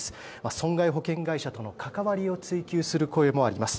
損害保険会社との関わりを追及する声もあります。